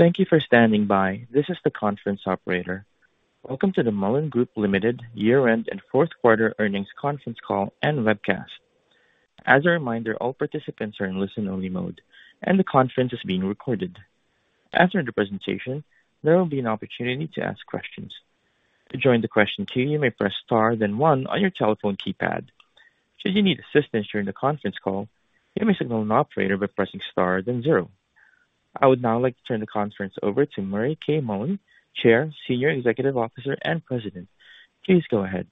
Thank you for standing by. This is the conference operator. Welcome to the Mullen Group Ltd. year-end and fourth-quarter earnings conference call and webcast. As a reminder, all participants are in listen-only mode, and the conference is being recorded. After the presentation, there will be an opportunity to ask questions. To join the question queue, you may press star then one on your telephone keypad. Should you need assistance during the conference call, you may signal an operator by pressing star then zero. I would now like to turn the conference over to Murray K. Mullen, Chair, Senior Executive Officer, and President. Please go ahead.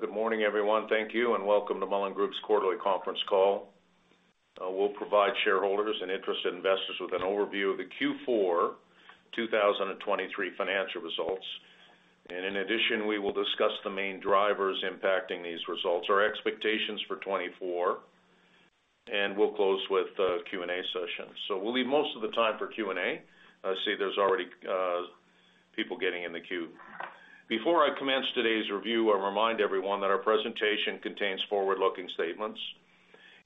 Good morning, everyone. Thank you, and welcome to Mullen Group's quarterly conference call. We'll provide shareholders and interested investors with an overview of the Q4 2023 financial results. In addition, we will discuss the main drivers impacting these results, our expectations for 2024, and we'll close with Q&A sessions. We'll leave most of the time for Q&A. I see there's already people getting in the queue. Before I commence today's review, I'll remind everyone that our presentation contains forward-looking statements,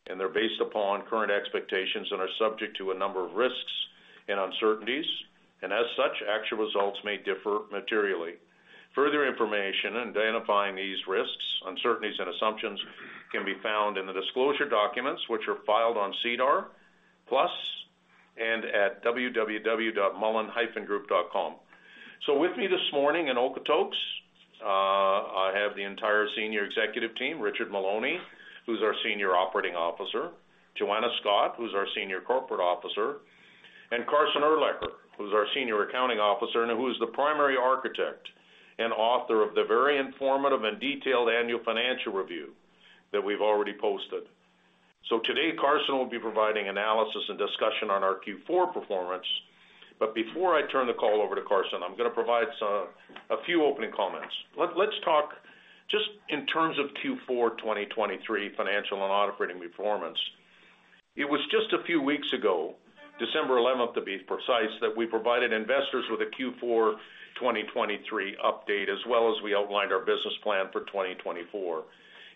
and they're based upon current expectations and are subject to a number of risks and uncertainties. As such, actual results may differ materially. Further information identifying these risks, uncertainties, and assumptions can be found in the disclosure documents, which are filed on SEDAR+ and at www.mullen-group.com. So with me this morning in Okotoks, I have the entire senior executive team, Richard Maloney, who's our Senior Operating Officer, Joanna Scott, who's our Senior Corporate Officer, and Carson Urlacher, who's our Senior Accounting Officer and who is the primary architect and author of the very informative and detailed annual financial review that we've already posted. So today, Carson will be providing analysis and discussion on our Q4 performance. But before I turn the call over to Carson, I'm gonna provide a few opening comments. Let's talk just in terms of Q4 2023 financial and operating performance. It was just a few weeks ago, December 11th to be precise, that we provided investors with a Q4 2023 update as well as we outlined our business plan for 2024.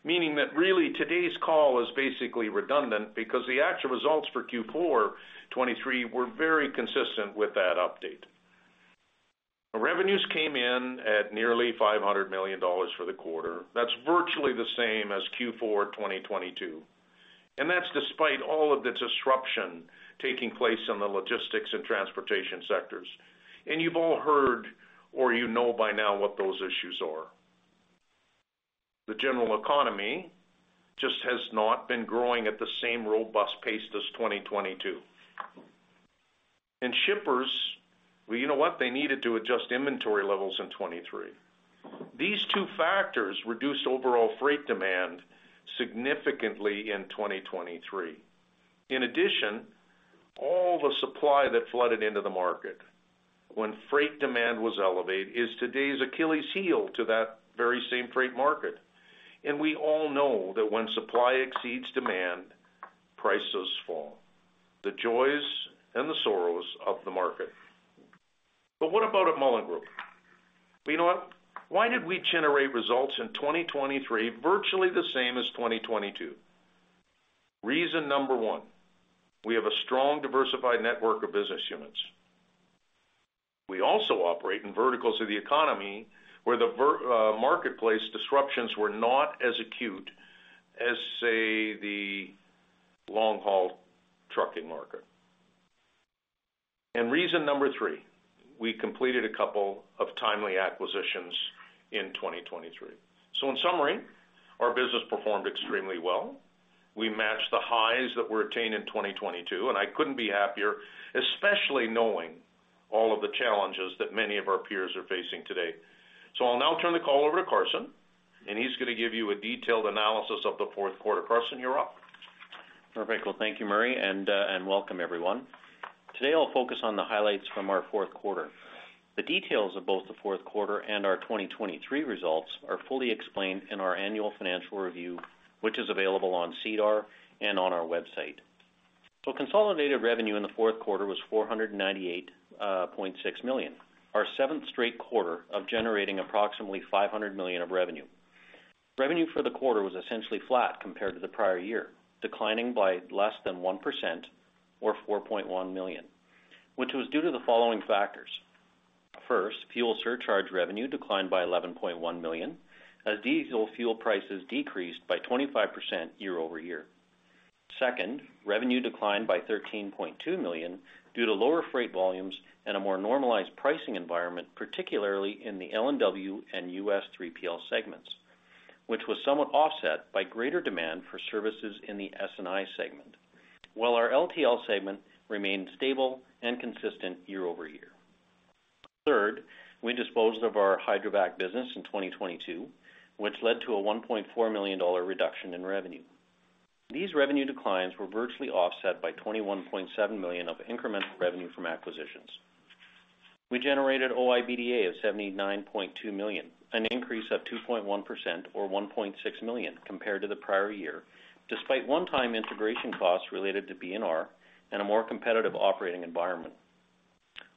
Meaning that, really, today's call is basically redundant because the actual results for Q4 2023 were very consistent with that update. Revenues came in at nearly 500 million dollars for the quarter. That's virtually the same as Q4 2022. And that's despite all of the disruption taking place in the logistics and transportation sectors. And you've all heard or you know by now what those issues are. The general economy just has not been growing at the same robust pace as 2022. And shippers, well, you know what? They needed to adjust inventory levels in 2023. These two factors reduced overall freight demand significantly in 2023. In addition, all the supply that flooded into the market when freight demand was elevated is today's Achilles' heel to that very same freight market. And we all know that when supply exceeds demand, prices fall. The joys and the sorrows of the market. But what about at Mullen Group? Well, you know what? Why did we generate results in 2023 virtually the same as 2022? Reason number one: we have a strong, diversified network of business units. We also operate in verticals of the economy where the overall marketplace disruptions were not as acute as, say, the long-haul trucking market. And reason number three: we completed a couple of timely acquisitions in 2023. So in summary, our business performed extremely well. We matched the highs that were attained in 2022. And I couldn't be happier, especially knowing all of the challenges that many of our peers are facing today. So I'll now turn the call over to Carson, and he's gonna give you a detailed analysis of the fourth quarter. Carson, you're up. Perfect. Well, thank you, Murray. And, and welcome, everyone. Today, I'll focus on the highlights from our fourth quarter. The details of both the fourth quarter and our 2023 results are fully explained in our annual financial review, which is available on SEDAR and on our website. So consolidated revenue in the fourth quarter was 498.6 million, our seventh straight quarter of generating approximately 500 million of revenue. Revenue for the quarter was essentially flat compared to the prior year, declining by less than 1% or 4.1 million, which was due to the following factors. First, fuel surcharge revenue declined by 11.1 million as diesel fuel prices decreased by 25% year-over-year. Second, revenue declined by 13.2 million due to lower freight volumes and a more normalized pricing environment, particularly in the L&W and U.S. 3PL segments, which was somewhat offset by greater demand for services in the S&I segment, while our LTL segment remained stable and consistent year-over-year. Third, we disposed of our Hydrovac business in 2022, which led to a 1.4 million dollar reduction in revenue. These revenue declines were virtually offset by 21.7 million of incremental revenue from acquisitions. We generated OIBDA of 79.2 million, an increase of 2.1% or 1.6 million compared to the prior year, despite one-time integration costs related to B&R and a more competitive operating environment.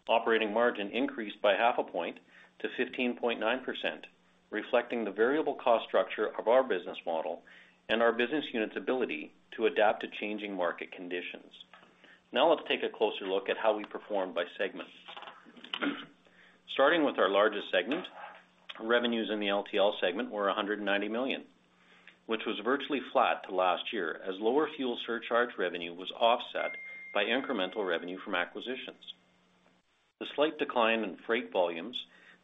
Operating margin increased by 0.5 points to 15.9%, reflecting the variable cost structure of our business model and our business unit's ability to adapt to changing market conditions. Now let's take a closer look at how we performed by segment. Starting with our largest segment, revenues in the LTL segment were 190 million, which was virtually flat to last year as lower fuel surcharge revenue was offset by incremental revenue from acquisitions. The slight decline in freight volumes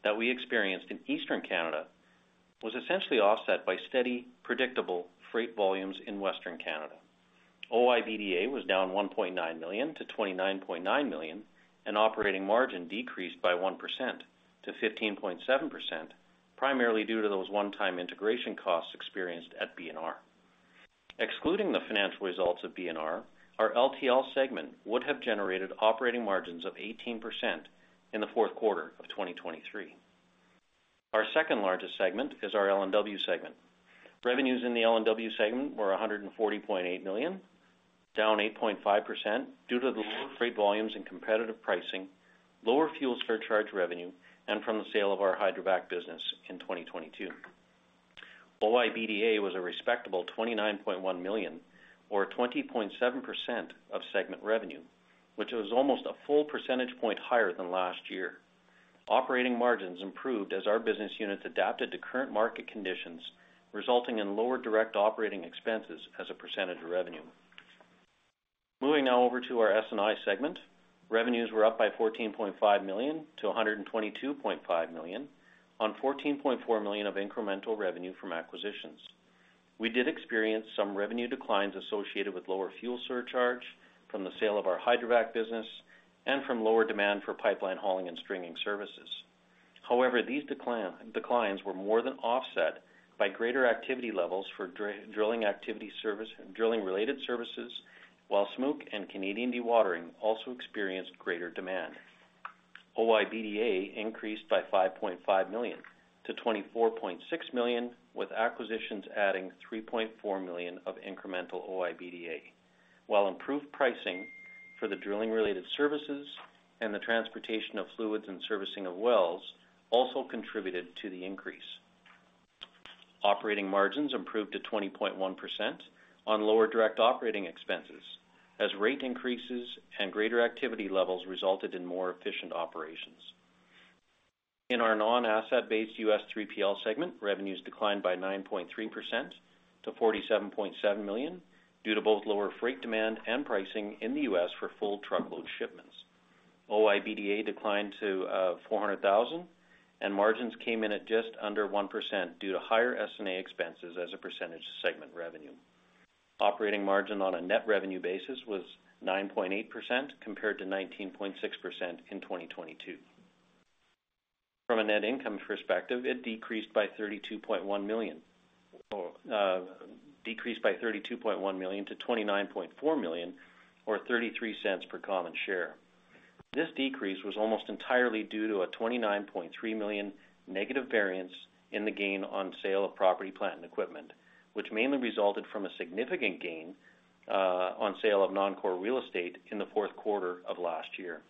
that we experienced in eastern Canada was essentially offset by steady, predictable freight volumes in western Canada. OIBDA was down 1.9 million to 29.9 million, and operating margin decreased by 1%-15.7%, primarily due to those one-time integration costs experienced at B&R. Excluding the financial results of B&R, our LTL segment would have generated operating margins of 18% in the fourth quarter of 2023. Our second largest segment is our LNW segment. Revenues in the LNW segment were 140.8 million, down 8.5% due to the lower freight volumes and competitive pricing, lower fuel surcharge revenue, and from the sale of our Hydrovac business in 2022. OIBDA was a respectable 29.1 million or 20.7% of segment revenue, which was almost a full percentage point higher than last year. Operating margins improved as our business units adapted to current market conditions, resulting in lower direct operating expenses as a percentage of revenue. Moving now over to our S&I segment, revenues were up by 14.5 million to 122.5 million on 14.4 million of incremental revenue from acquisitions. We did experience some revenue declines associated with lower fuel surcharge from the sale of our Hydrovac business and from lower demand for pipeline hauling and stringing services. However, these declines were more than offset by greater activity levels for drilling activity service drilling-related services, while Smook and Canadian Dewatering also experienced greater demand. OIBDA increased by 5.5 million to 24.6 million, with acquisitions adding 3.4 million of incremental OIBDA, while improved pricing for the drilling-related services and the transportation of fluids and servicing of wells also contributed to the increase. Operating margins improved to 20.1% on lower direct operating expenses as rate increases and greater activity levels resulted in more efficient operations. In our non-asset-based U.S. 3PL segment, revenues declined by 9.3% to 47.7 million due to both lower freight demand and pricing in the U.S. for full truckload shipments. OIBDA declined to 400,000, and margins came in at just under 1% due to higher S&A expenses as a percentage of segment revenue. Operating margin on a net revenue basis was 9.8% compared to 19.6% in 2022. From a net income perspective, it decreased by 32.1 million to 29.4 million or 0.33 per common share. This decrease was almost entirely due to a 29.3 million negative variance in the gain on sale of property, plant, and equipment, which mainly resulted from a significant gain on sale of non-core real estate in the fourth quarter of last year.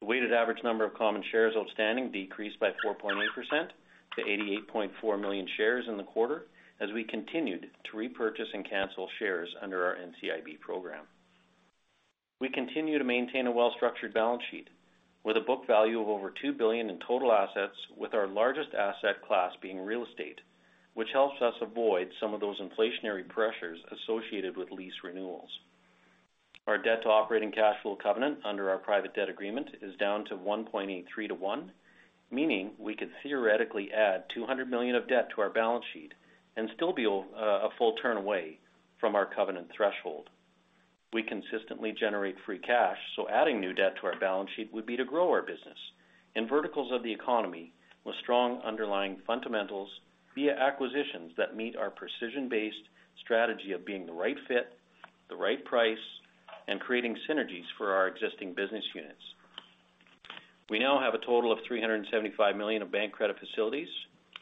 The weighted average number of common shares outstanding decreased by 4.8% to 88.4 million shares in the quarter as we continued to repurchase and cancel shares under our NCIB program. We continue to maintain a well-structured balance sheet with a book value of over 2 billion in total assets, with our largest asset class being real estate, which helps us avoid some of those inflationary pressures associated with lease renewals. Our debt to operating cash flow covenant under our private debt agreement is down to 1.83 to one, meaning we could theoretically add 200 million of debt to our balance sheet and still be only a full turn away from our covenant threshold. We consistently generate free cash, so adding new debt to our balance sheet would be to grow our business in verticals of the economy with strong underlying fundamentals via acquisitions that meet our precision-based strategy of being the right fit, the right price, and creating synergies for our existing business units. We now have a total of 375 million of bank credit facilities,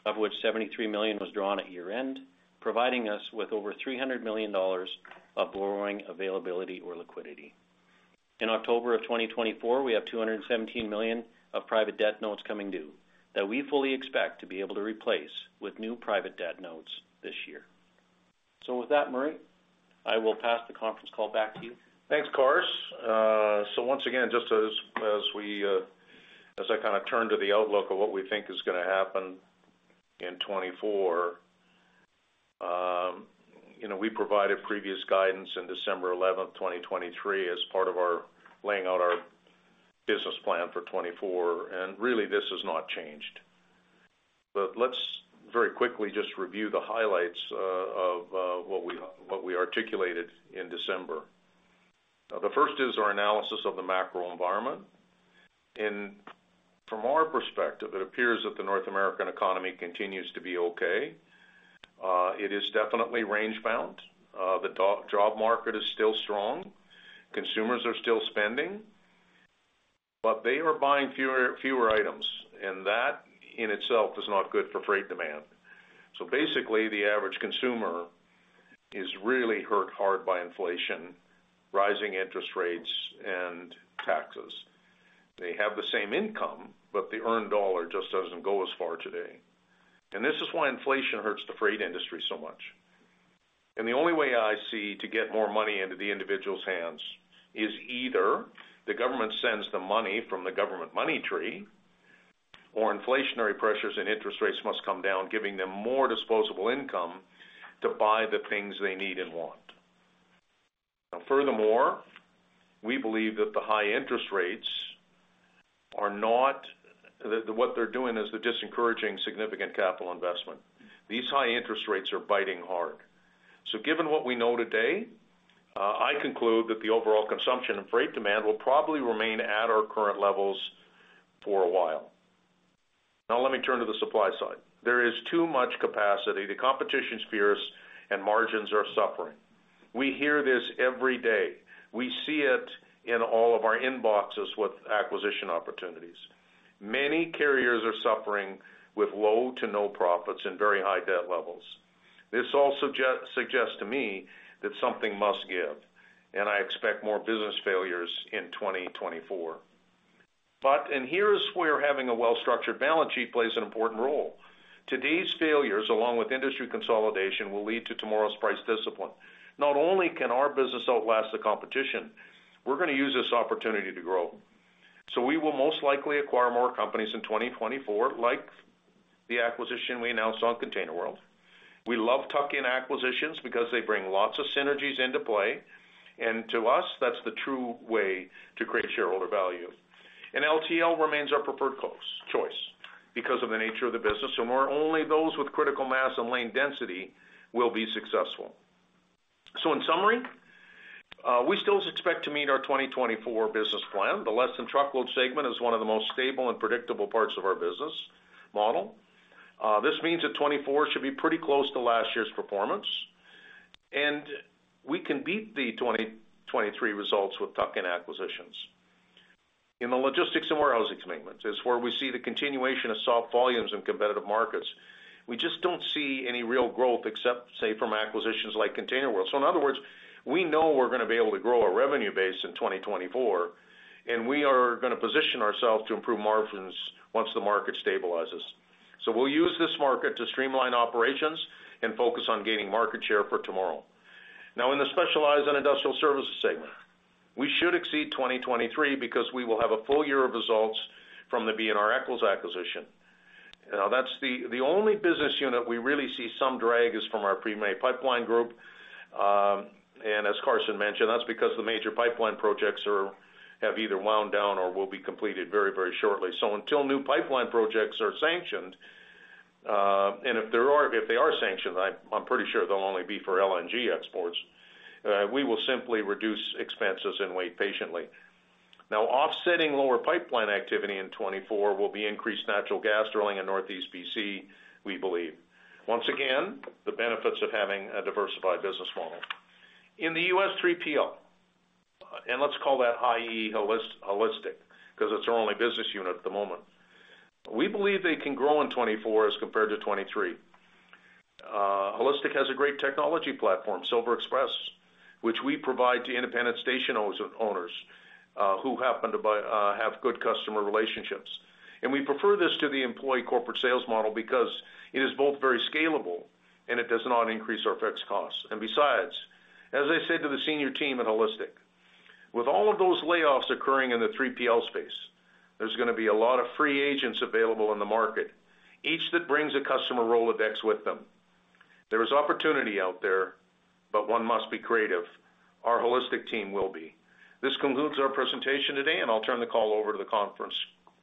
of which 73 million was drawn at year-end, providing us with over 300 million dollars of borrowing availability or liquidity. In October of 2024, we have 217 million of private debt notes coming due that we fully expect to be able to replace with new private debt notes this year. So with that, Murray, I will pass the conference call back to you. Thanks, Carson. So once again, just as, as we, as I kinda turn to the outlook of what we think is gonna happen in 2024, you know, we provided previous guidance in December 11th, 2023, as part of our laying out our business plan for 2024. Really, this has not changed. But let's very quickly just review the highlights of what we articulated in December. The first is our analysis of the macro environment. From our perspective, it appears that the North American economy continues to be okay. It is definitely range-bound. The job market is still strong. Consumers are still spending, but they are buying fewer items. That in itself is not good for freight demand. Basically, the average consumer is really hurt hard by inflation, rising interest rates, and taxes. They have the same income, but the earned dollar just doesn't go as far today. This is why inflation hurts the freight industry so much. The only way I see to get more money into the individual's hands is either the government sends the money from the government money tree, or inflationary pressures and interest rates must come down, giving them more disposable income to buy the things they need and want. Now, furthermore, we believe that what they're doing is disencouraging significant capital investment. These high interest rates are biting hard. Given what we know today, I conclude that the overall consumption and freight demand will probably remain at our current levels for a while. Now, let me turn to the supply side. There is too much capacity. The competition's fierce, and margins are suffering. We hear this every day. We see it in all of our inboxes with acquisition opportunities. Many carriers are suffering with low to no profits and very high debt levels. This all suggests to me that something must give, and I expect more business failures in 2024. But here's where having a well-structured balance sheet plays an important role. Today's failures, along with industry consolidation, will lead to tomorrow's price discipline. Not only can our business outlast the competition, we're gonna use this opportunity to grow. So we will most likely acquire more companies in 2024, like the acquisition we announced on ContainerWorld. We love tucking acquisitions because they bring lots of synergies into play. And to us, that's the true way to create shareholder value. And LTL remains our preferred close choice because of the nature of the business. And we're only those with critical mass and lane density will be successful. So in summary, we still expect to meet our 2024 business plan. The less-than-truckload segment is one of the most stable and predictable parts of our business model. This means that 2024 should be pretty close to last year's performance. And we can beat the 2023 results with tuck-in acquisitions. In the logistics and warehousing segment is where we see the continuation of soft volumes in competitive markets. We just don't see any real growth except, say, from acquisitions like ContainerWorld. So in other words, we know we're gonna be able to grow our revenue base in 2024, and we are gonna position ourselves to improve margins once the market stabilizes. So we'll use this market to streamline operations and focus on gaining market share for tomorrow. Now, in the specialized and industrial services segment, we should exceed 2023 because we will have a full year of results from the B&R Eckel's acquisition. Now, that's the only business unit we really see some drag is from our Premay Pipeline Group. And as Carson mentioned, that's because the major pipeline projects have either wound down or will be completed very, very shortly. So until new pipeline projects are sanctioned, and if they are sanctioned, I'm pretty sure they'll only be for LNG exports, we will simply reduce expenses and wait patiently. Now, offsetting lower pipeline activity in 2024 will be increased natural gas drilling in Northeast BC, we believe. Once again, the benefits of having a diversified business model. In the US 3PL, and let's call that, i.e., HAUListic 'cause it's our only business unit at the moment, we believe they can grow in 2024 as compared to 2023. HAUListic has a great technology platform, SilverExpress, which we provide to independent station owners, who happen to buy, have good customer relationships. And we prefer this to the employee corporate sales model because it is both very scalable, and it does not increase our fixed costs. And besides, as I said to the senior team at HAUListic, with all of those layoffs occurring in the 3PL space, there's gonna be a lot of free agents available in the market, each that brings a customer Rolodex with them. There is opportunity out there, but one must be creative. Our HAUListic team will be. This concludes our presentation today, and I'll turn the call over to the conference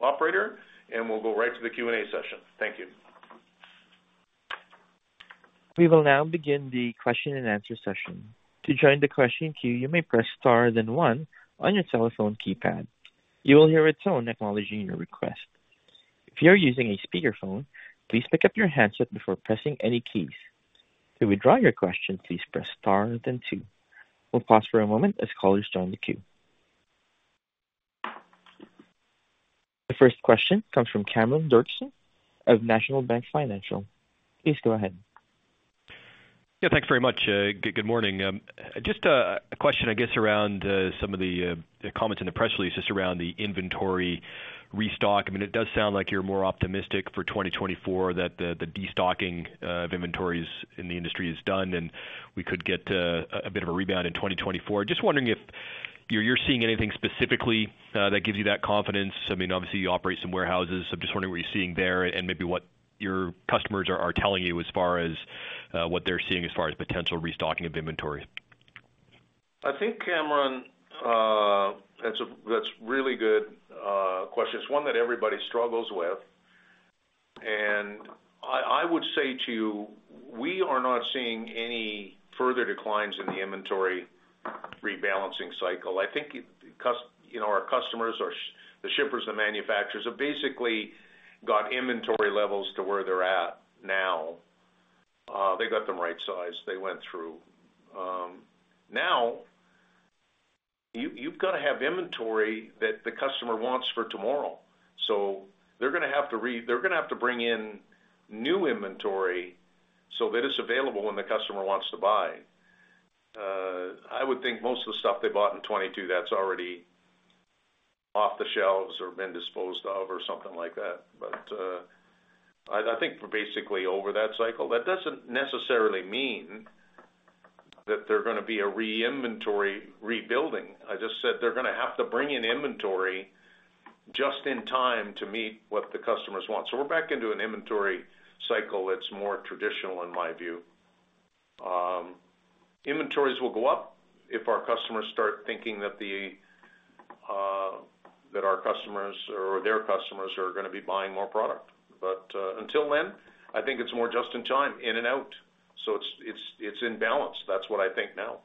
operator, and we'll go right to the Q&A session. Thank you. We will now begin the question-and-answer session. To join the question queue, you may press star then one on your telephone keypad. You will hear a tone acknowledging your request. If you are using a speakerphone, please pick up your handset before pressing any keys. To withdraw your question, please press star then two. We'll pause for a moment as callers join the queue. The first question comes from Cameron Doerksen of National Bank Financial. Please go ahead. Yeah, thanks very much. Good morning. Just a question, I guess, around some of the comments in the press release, just around the inventory restock. I mean, it does sound like you're more optimistic for 2024, that the destocking of inventories in the industry is done, and we could get a bit of a rebound in 2024. Just wondering if you're seeing anything specifically that gives you that confidence. I mean, obviously, you operate some warehouses. So just wondering what you're seeing there and maybe what your customers are telling you as far as what they're seeing as far as potential restocking of inventory. I think, Cameron, that's a really good question. It's one that everybody struggles with. And I, I would say to you, we are not seeing any further declines in the inventory rebalancing cycle. I think it's cut, you know, our customers, our, the shippers, the manufacturers have basically got inventory levels to where they're at now. They got them right-sized. They went through. Now, you've gotta have inventory that the customer wants for tomorrow. So they're gonna have to bring in new inventory so that it's available when the customer wants to buy. I would think most of the stuff they bought in 2022, that's already off the shelves or been disposed of or something like that. But, I, I think we're basically over that cycle. That doesn't necessarily mean that they're gonna be a reinventory rebuilding. I just said they're gonna have to bring in inventory just in time to meet what the customers want. So we're back into an inventory cycle that's more traditional, in my view. Inventories will go up if our customers start thinking that our customers or their customers are gonna be buying more product. But until then, I think it's more just in time, in and out. So it's in balance. That's what I think now.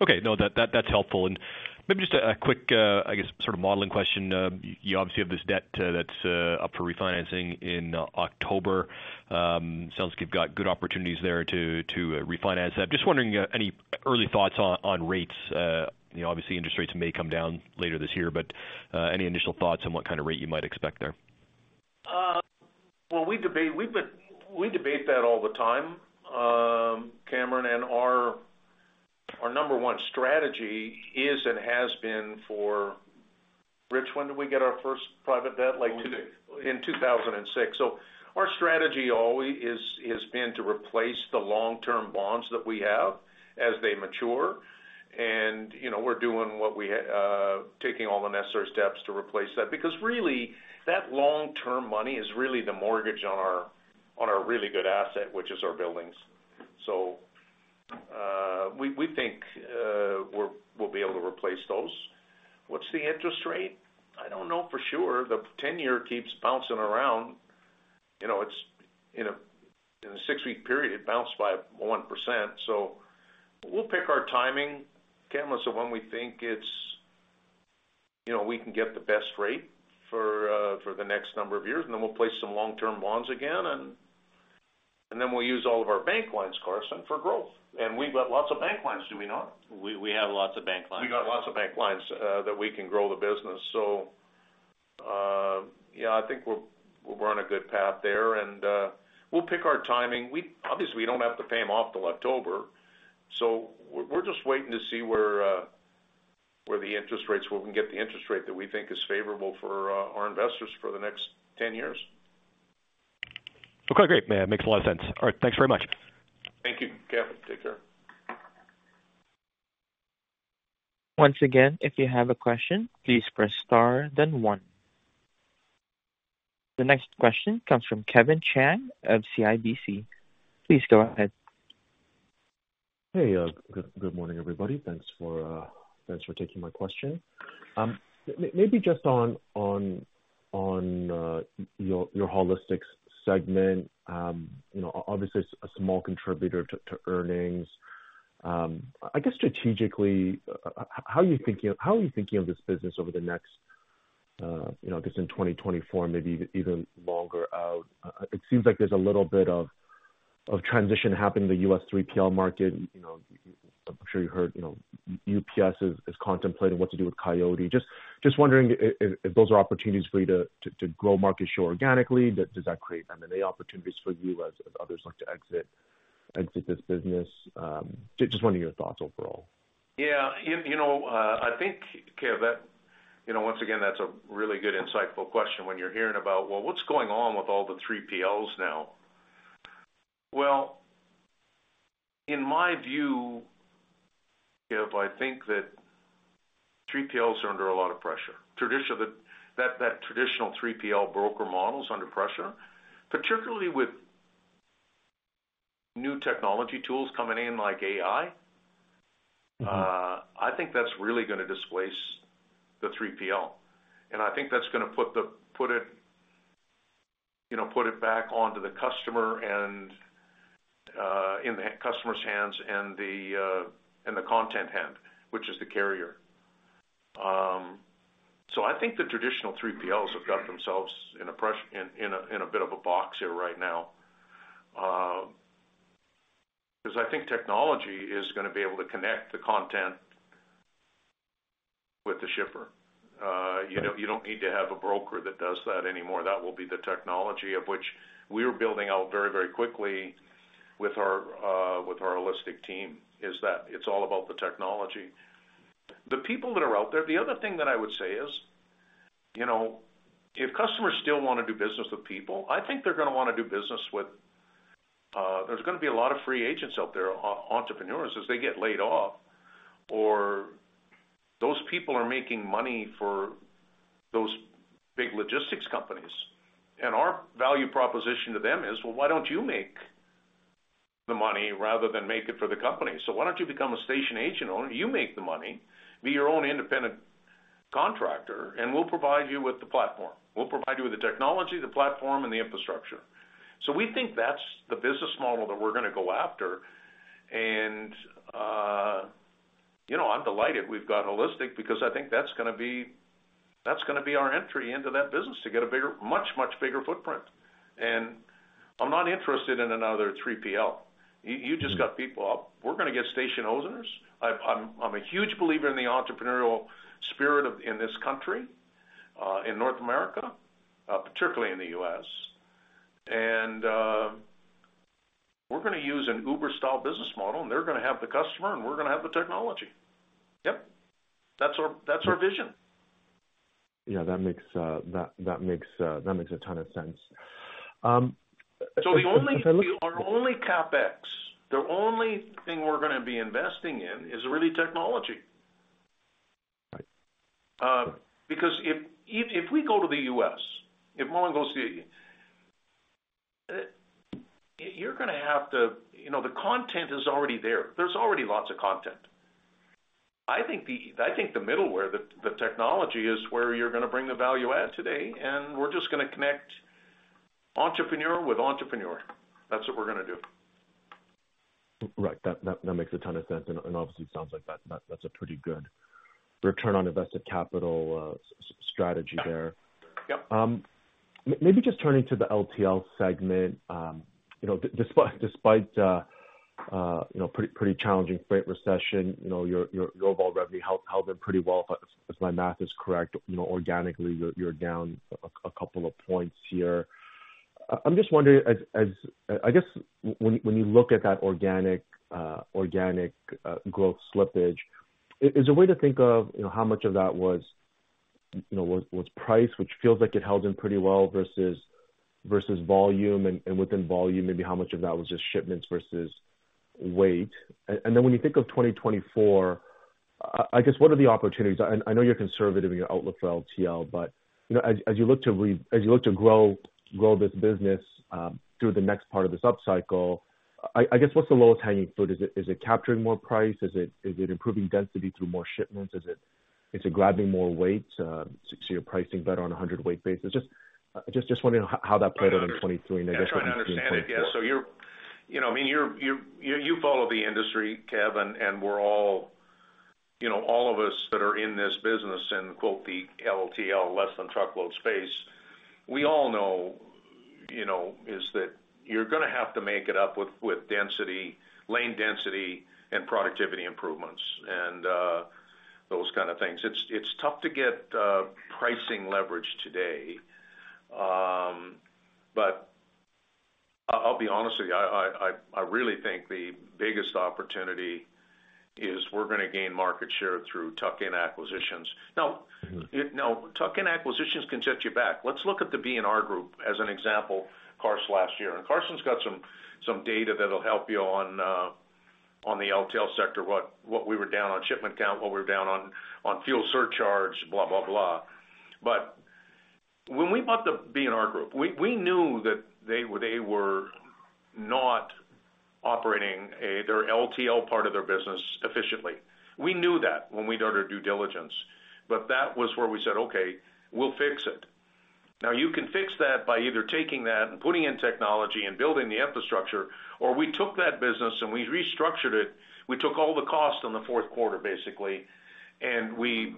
Okay. No, that's helpful. And maybe just a quick, I guess, sort of modeling question. You obviously have this debt that's up for refinancing in October. Sounds like you've got good opportunities there to refinance that. Just wondering, any early thoughts on rates. You know, obviously, interest rates may come down later this year, but any initial thoughts on what kinda rate you might expect there? Well, we've been debating that all the time, Cameron. And our number one strategy is and has been. When did we get our first private debt? Like. '06. In 2006. So our strategy always is, has been to replace the long-term bonds that we have as they mature. And, you know, we're doing what we have, taking all the necessary steps to replace that because really, that long-term money is really the mortgage on our really good asset, which is our buildings. So, we think we'll be able to replace those. What's the interest rate? I don't know for sure. The 10-year keeps bouncing around. You know, it's in a six-week period, it bounces by 1%. So we'll pick our timing, Cameron, so when we think it's you know, we can get the best rate for the next number of years. And then we'll place some long-term bonds again. And then we'll use all of our bank lines, Carson, for growth. We've got lots of bank lines, do we not? We have lots of bank lines. We got lots of bank lines that we can grow the business. So, yeah, I think we're, we're on a good path there. And, we'll pick our timing. We obviously, we don't have to pay them off till October. So we're, we're just waiting to see where, where the interest rates where we can get the interest rate that we think is favorable for our investors for the next 10 years. Okay. Great. Yeah, it makes a lot of sense. All right. Thanks very much. Thank you, Cameron. Take care. Once again, if you have a question, please press star then one. The next question comes from Kevin Chiang of CIBC. Please go ahead. Hey. Good morning, everybody. Thanks for taking my question. Maybe just on your HAUListic segment, you know, obviously, it's a small contributor to earnings. I guess strategically, how are you thinking of this business over the next, you know, I guess, in 2024, maybe even longer out? It seems like there's a little bit of transition happening in the U.S. 3PL market. You know, I'm sure you heard, you know, UPS is contemplating what to do with Coyote. Just wondering if those are opportunities for you to grow market share organically. Does that create M&A opportunities for you as others look to exit this business? Just wondering your thoughts overall. Yeah. You know, I think, Kev, that you know, once again, that's a really good, insightful question when you're hearing about, "Well, what's going on with all the 3PLs now?" Well, in my view, Kev, I think that 3PLs are under a lot of pressure. Traditional 3PL broker model's under pressure, particularly with new technology tools coming in like AI. I think that's really gonna displace the 3PL. I think that's gonna put it you know, put it back onto the customer and, in the customer's hands and the, and the content hand, which is the carrier. So I think the traditional 3PLs have got themselves in a bit of a box here right now, 'cause I think technology is gonna be able to connect the content with the shipper. You don't need to have a broker that does that anymore. That will be the technology of which we are building out very, very quickly with our HAUListic team, is that it's all about the technology. The people that are out there, the other thing that I would say is, you know, if customers still wanna do business with people, I think they're gonna wanna do business with them. There's gonna be a lot of free agents out there, entrepreneurs, as they get laid off. Or those people are making money for those big logistics companies. And our value proposition to them is, "Well, why don't you make the money rather than make it for the company? So why don't you become a station agent owner? You make the money. Be your own independent contractor, and we'll provide you with the platform. We'll provide you with the technology, the platform, and the infrastructure." So we think that's the business model that we're gonna go after. And, you know, I'm delighted we've got HAUListic because I think that's gonna be that's gonna be our entry into that business, to get a bigger much, much bigger footprint. And I'm not interested in another 3PL. Y-you just got people up. We're gonna get station owners. I'm, I'm, I'm a huge believer in the entrepreneurial spirit of in this country, in North America, particularly in the U.S.. And, we're gonna use an Uber-style business model, and they're gonna have the customer, and we're gonna have the technology. Yep. That's our that's our vision. Yeah. That makes a ton of sense. So the only. And so the. Our only CapEx, the only thing we're gonna be investing in, is really technology. Right. Because if we go to the U.S., if Mullen goes to the U.S., you're gonna have to, you know, the content is already there. There's already lots of content. I think the middleware, the technology, is where you're gonna bring the value add today. And we're just gonna connect entrepreneur with entrepreneur. That's what we're gonna do. Right. That makes a ton of sense. And obviously, it sounds like that's a pretty good return on invested capital strategy there. Yep. Maybe just turning to the LTL segment. You know, despite you know, pretty challenging freight recession, you know, your overall revenue held in pretty well, if my math is correct. You know, organically, you're down a couple of points here. I'm just wondering as I guess when you look at that organic growth slippage, is there a way to think of, you know, how much of that was, you know, was price, which feels like it held in pretty well, versus volume? And within volume, maybe how much of that was just shipments versus weight? And then when you think of 2024, I guess what are the opportunities? I know you're conservative in your outlook for LTL, but, you know, as you look to grow this business through the next part of this upcycle, I guess what's the lowest hanging fruit? Is it capturing more price? Is it improving density through more shipments? Is it grabbing more weight, so you're pricing better on a 100-weight base? It's just I just wondering how that played out in 2023 and I guess what you see in 2024. Yeah. So you're, you know, I mean, you follow the industry, Kev. And we're all, you know, all of us that are in this business in, quote, the LTL, less-than-truckload space. We all know, you know, is that you're gonna have to make it up with density, lane density, and productivity improvements, and those kinda things. It's tough to get pricing leverage today. But I'll be honest with you. I really think the biggest opportunity is we're gonna gain market share through tuck-in acquisitions now. By now, tuck-in acquisitions can set you back. Let's look at the B&R Group as an example, Carson, last year. Carson's got some data that'll help you on the LTL sector, what we were down on shipment count, what we were down on fuel surcharge, blah, blah, blah. But when we bought the B&R Group, we knew that they were not operating at their LTL part of their business efficiently. We knew that when we started due diligence. But that was where we said, "Okay. We'll fix it." Now, you can fix that by either taking that and putting in technology and building the infrastructure, or we took that business, and we restructured it. We took all the cost in the fourth quarter, basically. We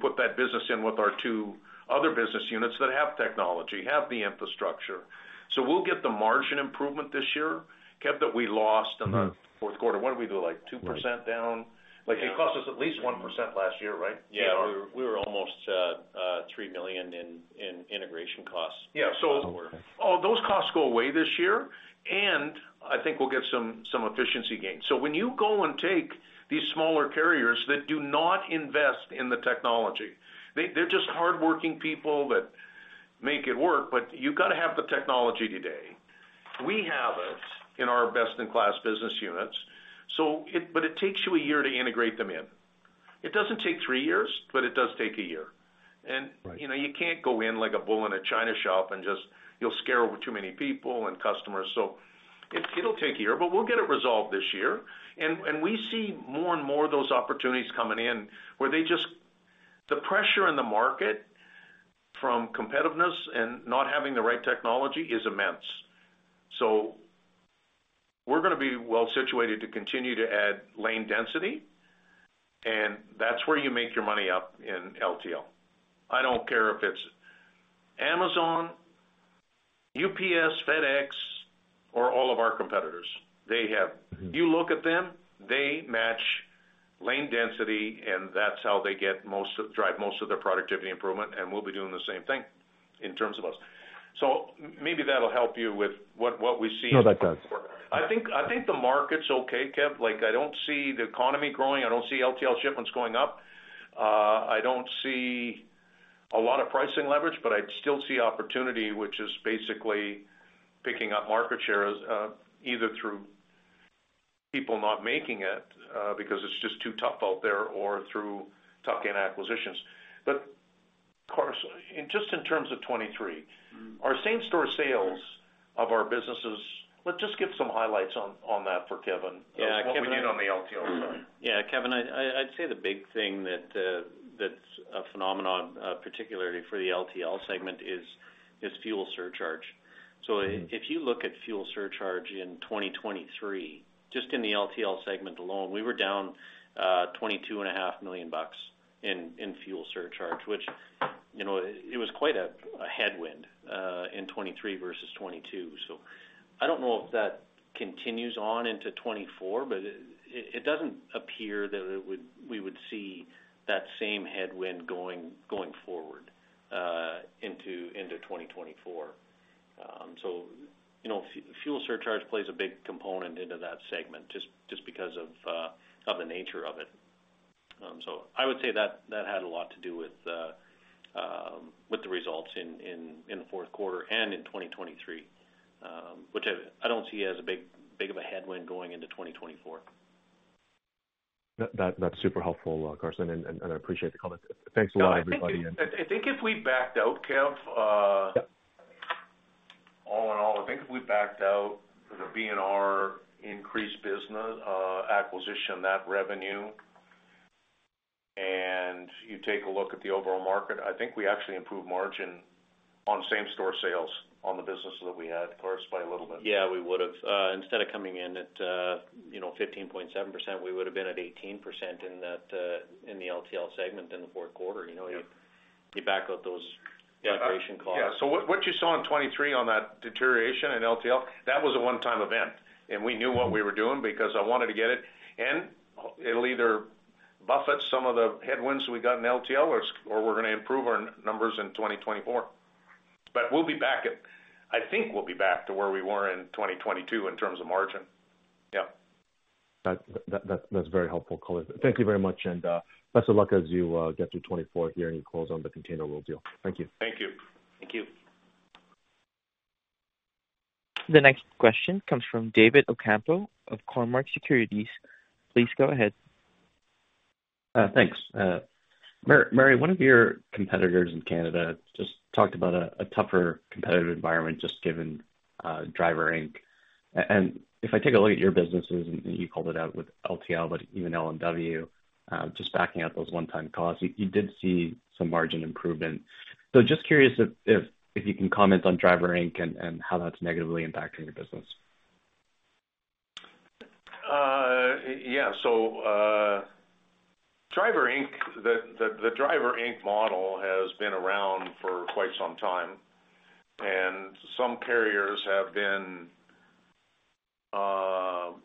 put that business in with our two other business units that have technology, have the infrastructure. So we'll get the margin improvement this year, Kev, that we lost in the. Fourth quarter. What did we do, like, 2% down? Like, it cost us at least 1% last year, right? Yeah. Yeah. Yeah. We were almost 3 million in integration costs. Yeah. So. Or those costs go away this year. And I think we'll get some efficiency gains. So when you go and take these smaller carriers that do not invest in the technology, they're just hardworking people that make it work. But you've gotta have the technology today. We have it in our best-in-class business units. So but it takes you a year to integrate them in. It doesn't take three years, but it does take a year. And. Right. You know, you can't go in like a bull in a china shop and just you'll scare off too many people and customers. So it, it'll take a year. But we'll get it resolved this year. And we see more and more of those opportunities coming in where there's just the pressure in the market from competitiveness and not having the right technology is immense. So we're gonna be well-situated to continue to add lane density. And that's where you make your money up in LTL. I don't care if it's Amazon, UPS, FedEx, or all of our competitors. They have.. You look at them. They match Lane Density. And that's how they get most of their productivity improvement. And we'll be doing the same thing in terms of us. So maybe that'll help you with what we see in. No, that does. I think I think the market's okay, Kev. Like, I don't see the economy growing. I don't see LTL shipments going up. I don't see a lot of pricing leverage. But I still see opportunity, which is basically picking up market share as, either through people not making it, because it's just too tough out there, or through tuck-in acquisitions. But, Carson, in just in terms of 2023. Our same-store sales of our businesses. Let's just give some highlights on that for Kevin. Yeah. Kevin. What we did on the LTL side. Yeah. Kevin, I'd say the big thing that's a phenomenon, particularly for the LTL segment, is fuel surcharge. So if you look at fuel surcharge in 2023, just in the LTL segment alone, we were down 22.5 million bucks in fuel surcharge, which, you know, it was quite a headwind in 2023 versus 2022. So I don't know if that continues on into 2024. But it doesn't appear that we would see that same headwind going forward into 2024. So, you know, fuel surcharge plays a big component into that segment, just because of the nature of it. So I would say that had a lot to do with the results in the fourth quarter and in 2023, which I don't see as a big of a headwind going into 2024. That, that's super helpful, Carson. And I appreciate the call. Thanks a lot, everybody. And. I think if we backed out, Kev, Yep. All in all, I think if we backed out the B&R increased business, acquisition, that revenue, and you take a look at the overall market, I think we actually improved margin on same-store sales on the businesses that we had, Carson, by a little bit. Yeah. Instead of coming in at, you know, 15.7%, we would have been at 18% in that, in the LTL segment in the fourth quarter. You know, you. Yep. You back out those integration costs. Yeah. Yeah. So what you saw in 2023 on that deterioration in LTL, that was a one-time event. And we knew what we were doing because I wanted to get it. And it'll either buffer some of the headwinds we got in LTL, or it's or we're gonna improve our numbers in 2024. But we'll be back. I think we'll be back to where we were in 2022 in terms of margin. Yep. That's very helpful, Collin. Thank you very much. Best of luck as you get through 2024 here. And you close on the ContainerWorld deal. Thank you. Thank you. Thank you. The next question comes from David Ocampo of Cormark Securities. Please go ahead. Thanks. Murray, one of your competitors in Canada just talked about a tougher competitive environment, just given Driver Inc. And if I take a look at your businesses and you called it out with LTL, but even L&W, just backing out those one-time costs, you did see some margin improvement. So just curious if you can comment on Driver Inc. and how that's negatively impacting your business. Yeah. So, Driver Inc. the Driver Inc. model has been around for quite some time. And some carriers have been,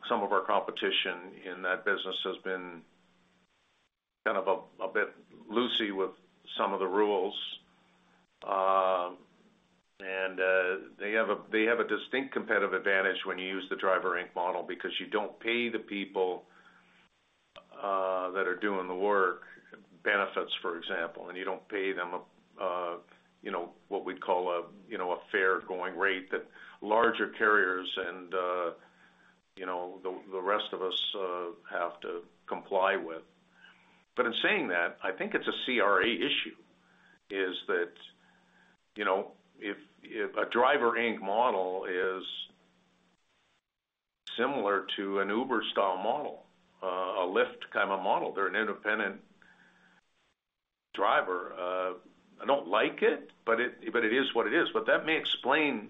some of our competition in that business has been kind of a bit loosey with some of the rules. And they have a distinct competitive advantage when you use the Driver Inc. model because you don't pay the people that are doing the work benefits, for example. And you don't pay them a you know, what we'd call a you know, a fair going rate that larger carriers and you know, the rest of us have to comply with. But in saying that, I think it's a CRA issue, is that you know, if a Driver Inc. model is similar to an Uber-style model, a Lyft kind of model. They're an independent driver. I don't like it. But it is what it is. But that may explain,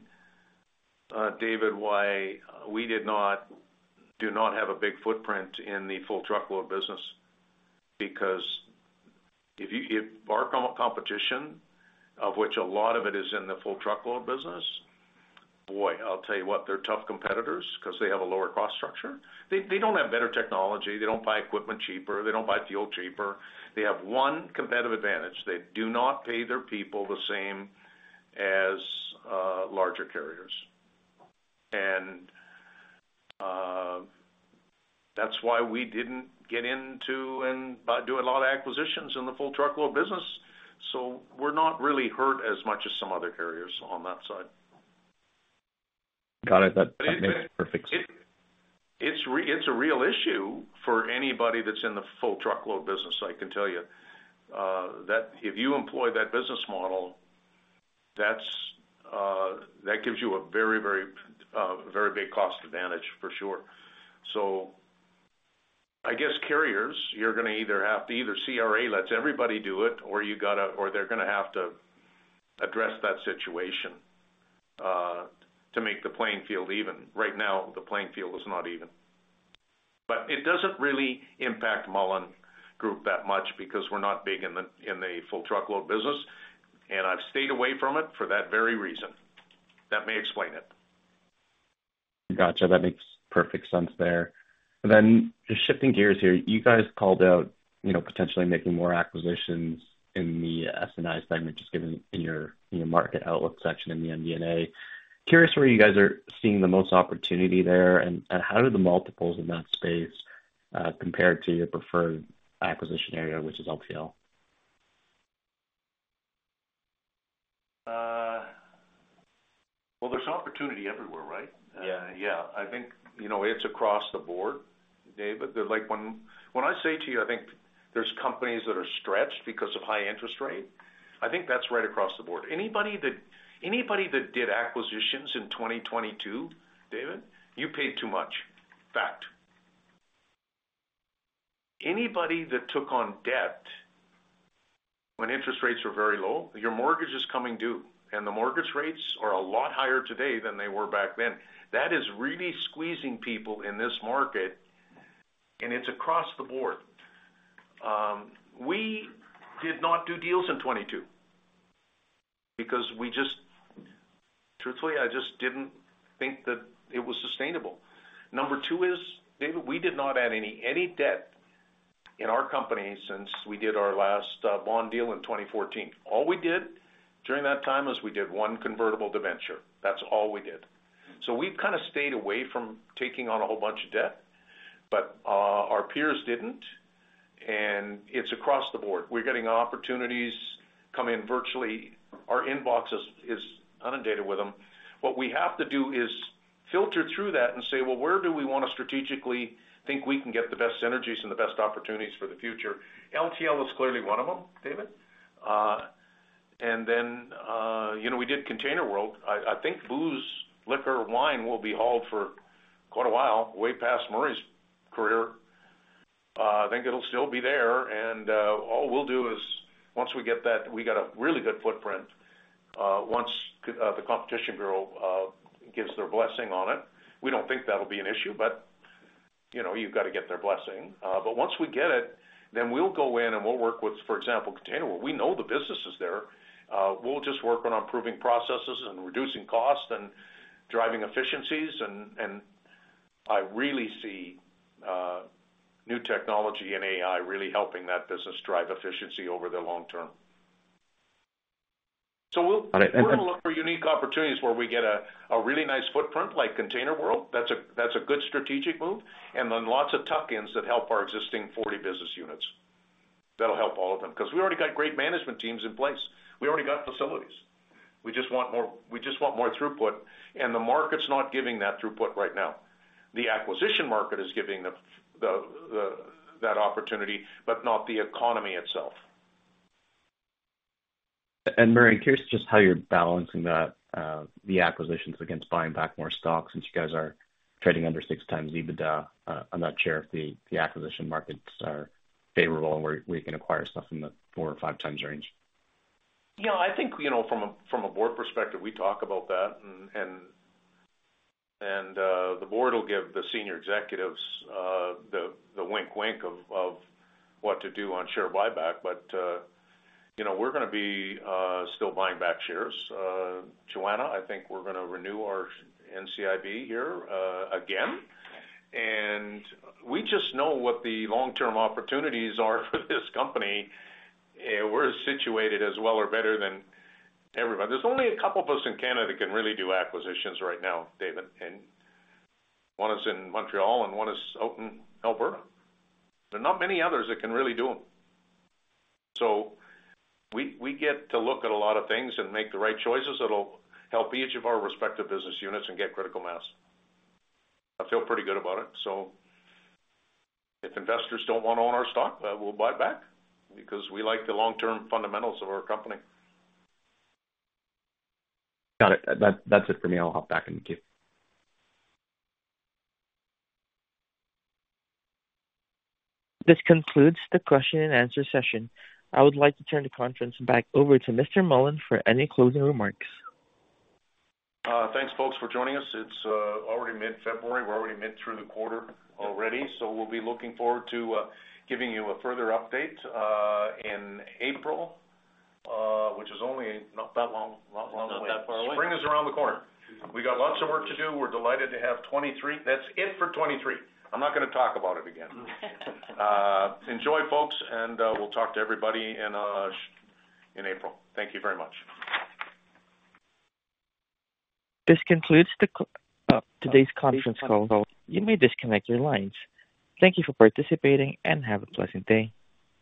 David, why we do not have a big footprint in the full truckload business because if our competition, of which a lot of it is in the full truckload business, boy, I'll tell you what. They're tough competitors 'cause they have a lower cost structure. They, they don't have better technology. They don't buy equipment cheaper. They don't buy fuel cheaper. They have one competitive advantage. They do not pay their people the same as larger carriers. And that's why we didn't get into and do a lot of acquisitions in the full truckload business. So we're not really hurt as much as some other carriers on that side. Got it. That, that makes perfect. But it's a real issue for anybody that's in the full truckload business, I can tell you, that if you employ that business model, that gives you a very, very, very big cost advantage, for sure. So I guess carriers, you're gonna either have to either CRA lets everybody do it, or you gotta or they're gonna have to address that situation, to make the playing field even. Right now, the playing field is not even. But it doesn't really impact Mullen Group that much because we're not big in the full truckload business. And I've stayed away from it for that very reason. That may explain it. Gotcha. That makes perfect sense there. Then just shifting gears here. You guys called out, you know, potentially making more acquisitions in the S&I segment, just given in your market outlook section in the MD&A. Curious where you guys are seeing the most opportunity there. And how do the multiples in that space compare to your preferred acquisition area, which is LTL? Well, there's opportunity everywhere, right? Yeah. Yeah. I think, you know, it's across the board, David. They're like when, when I say to you, I think there's companies that are stretched because of high interest rate, I think that's right across the board. Anybody that anybody that did acquisitions in 2022, David, you paid too much. Fact. Anybody that took on debt when interest rates were very low, your mortgage is coming due. And the mortgage rates are a lot higher today than they were back then. That is really squeezing people in this market. And it's across the board. We did not do deals in 2022 because we just truthfully, I just didn't think that it was sustainable. Number two is, David, we did not add any, any debt in our company since we did our last, bond deal in 2014. All we did during that time is we did one convertible debenture. That's all we did. So we've kinda stayed away from taking on a whole bunch of debt. But, our peers didn't. And it's across the board. We're getting opportunities come in virtually. Our inbox is inundated with them. What we have to do is filter through that and say, "Well, where do we wanna strategically think we can get the best synergies and the best opportunities for the future?" LTL is clearly one of them, David. And then, you know, we did ContainerWorld. I think booze, liquor, wine will be hauled for quite a while, way past Murray's career. I think it'll still be there. And, all we'll do is once we get that we got a really good footprint, once the Competition Bureau gives their blessing on it, we don't think that'll be an issue. But, you know, you've gotta get their blessing. But once we get it, then we'll go in. And we'll work with, for example, ContainerWorld. We know the business is there. We'll just work on improving processes and reducing costs and driving efficiencies. And I really see new technology and AI really helping that business drive efficiency over the long term. So we'll. Got it. We're gonna look for unique opportunities where we get a really nice footprint, like Container World. That's a good strategic move. And then lots of tuck-ins that help our existing 40 business units. That'll help all of them 'cause we already got great management teams in place. We already got facilities. We just want more; we just want more throughput. And the market's not giving that throughput right now. The acquisition market is giving the, the that opportunity, but not the economy itself. And, Murray, I'm curious just how you're balancing that, the acquisitions against buying back more stock since you guys are trading under 6x EBITDA. I'm not sure if the acquisition markets are favorable and where we can acquire stuff in the 4x or 5x range. Yeah. I think, you know, from a board perspective, we talk about that. And the board'll give the senior executives the wink-wink of what to do on share buyback. But, you know, we're gonna be still buying back shares. Joanna, I think we're gonna renew our NCIB here, again. And we just know what the long-term opportunities are for this company. And we're situated as well or better than everybody. There's only a couple of us in Canada that can really do acquisitions right now, David. And one is in Montreal. And one is out in Alberta. There are not many others that can really do them. So we get to look at a lot of things and make the right choices that'll help each of our respective business units and get critical mass. I feel pretty good about it. If investors don't wanna own our stock, we'll buy back because we like the long-term fundamentals of our company. Got it. That's it for me. I'll hop back in with you. This concludes the question-and-answer session. I would like to turn the conference back over to Mr. Mullen for any closing remarks. Thanks, folks, for joining us. It's already mid-February. We're already mid through the quarter already. So we'll be looking forward to giving you a further update in April, which is only not that long, not long away. Not that far away. Spring is around the corner. We got lots of work to do. We're delighted to have 2023. That's it for 2023. I'm not gonna talk about it again. Enjoy, folks. We'll talk to everybody in April. Thank you very much. This concludes today's conference call, Collin. You may disconnect your lines. Thank you for participating. Have a pleasant day.